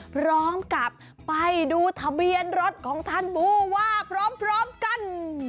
พร้อมกับไปดูทะเบียนรถของท่านบูว่าพร้อมกัน